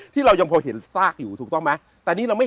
ที่เรายังพอเห็นซากอยู่ถูกต้องไหม